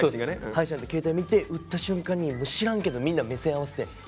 配信なんで携帯見て打った瞬間に知らんけどみんな目線合わせて。